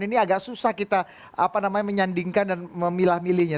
ini agak susah kita menyandingkan dan memilah milihnya